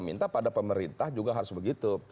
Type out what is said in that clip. minta pada pemerintah juga harus begitu